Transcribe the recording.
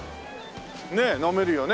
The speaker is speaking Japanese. ねえ飲めるよね。